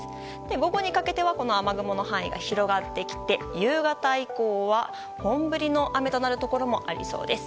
午後にかけては雨雲の範囲が広がってきて夕方以降は本降りの雨となるところもありそうです。